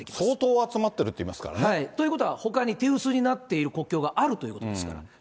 相当集まっているっていいますからね。ということは、ほかに手薄になっている国境があるということですから。